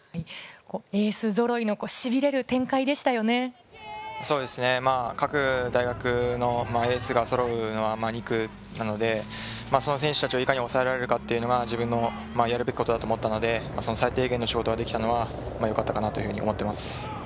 エースぞろいのしびれる各大学のエースがそろうのは２区なので、その選手たちをいかに抑えられるか、自分のやるべきことだと思ったので、最低限の仕事ができたのは良かったと思います。